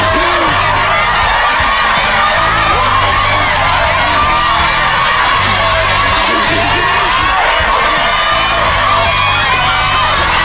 คุณทำได้